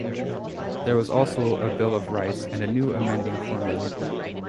There was also a bill of rights and a new amending formula.